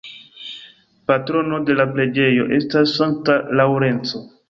Patrono de la preĝejo estas Sankta Laŭrenco.